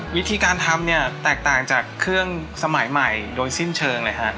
วิธีการทำเนี่ยแตกต่างจากเครื่องสมัยใหม่โดยสิ้นเชิงเลยฮะ